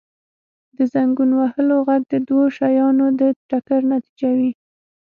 • د زنګون وهلو ږغ د دوو شیانو د ټکر نتیجه وي.